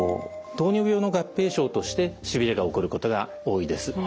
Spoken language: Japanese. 糖尿病の合併症としてしびれが起こることが多いです。